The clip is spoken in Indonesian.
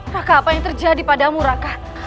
raka apa yang terjadi padamu raka